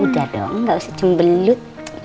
udah dong gak usah cembelut